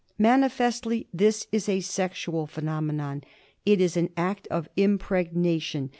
^Manifestly this is a sexual phenomenon ; it is an act of impregnation.